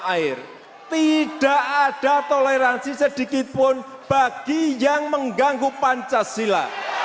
air tidak ada toleransi sedikitpun bagi yang mengganggu pancasila